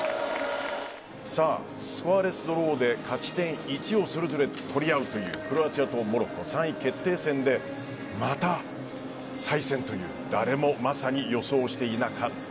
スコアレスドローで勝ち点１をそれぞれ取り合うというクロアチアとモロッコが３位決定戦でまた再戦という誰もまさに予想していなかった。